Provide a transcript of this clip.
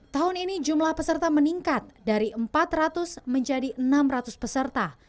tahun ini jumlah peserta meningkat dari empat ratus menjadi enam ratus peserta